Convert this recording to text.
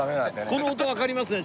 この音わかりますね？